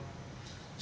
yang ketiga saudara kpb